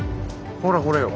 ほらこれよ。